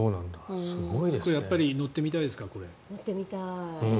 やっぱり乗ってみたいですかこれ？